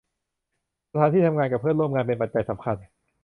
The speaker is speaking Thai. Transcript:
สถานที่ทำงานกับเพื่อนร่วมงาน เป็นปัจจัยสำคัญ